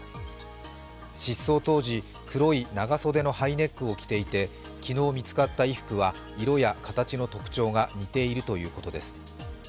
失踪当時、黒い長袖のハイネックを着ていて昨日見つかった衣服は色や形の特徴が似ているということです。